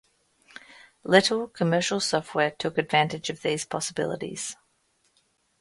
Little commercial software took advantage of these possibilities.